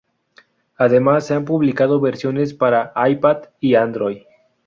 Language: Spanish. Además, se han publicado versiones para iPad y Android.